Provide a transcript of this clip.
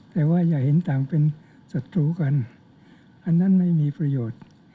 แต่ว่าอย่าเห็นต่างเป็นศัตรูกันอันนั้นไม่มีประโยชน์